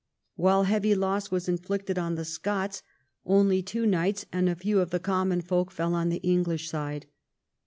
While heavy loss was inflicted on the Scots, only two knights and a few of the "common folk" fell on the English side.